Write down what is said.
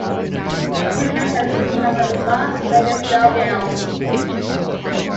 She began her career as a Las Vegas showgirl.